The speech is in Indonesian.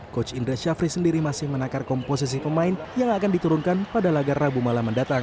coach indra syafri sendiri masih menakar komposisi pemain yang akan diturunkan pada laga rabu malam mendatang